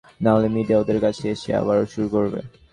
নাহলে মিডিয়া ওদের কাছে এসে আবারও শুরু করবে।